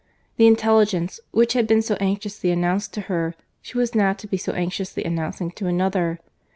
The intelligence, which had been so anxiously announced to her, she was now to be anxiously announcing to another.